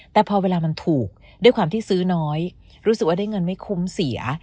แต่พอเวลามันถูกด้วยความที่ซื้อน้อยรู้สึกว่าได้เงินไม่คุ้มเสีย